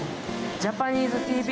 ジャパニーズＴＶ。